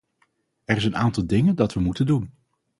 Er is een aantal dingen dat we moeten doen.